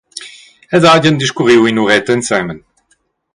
Els hagien discurriu in’uretta ensemen.